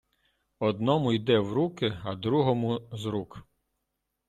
Одному йде в руки, а другому — з рук.